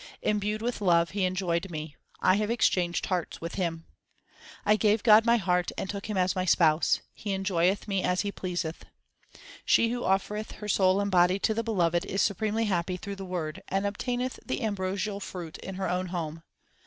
Imbued with love He enjoyed me ; I have exchanged hearts with Him. I gave God my heart and took Him as my Spouse ; He enjoyeth me as He pleaseth. She who offereth her soul and body to the Beloved is supremely happy through the Word, and obtaineth the ambrosial fruit in her own home.